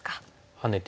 ハネても。